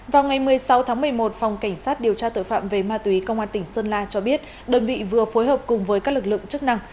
vào ngày một mươi sáu tháng một mươi một phòng cảnh sát điều tra tội phạm về ma túy công an tỉnh sơn la cho biết đơn vị vừa phối hợp cùng với các lực lượng chức năng